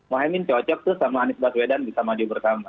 mohaimin cocok tuh sama anies baswedan bisa maju bersama